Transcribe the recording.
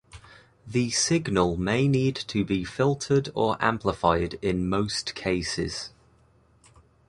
The signal may need to be filtered or amplified in most cases.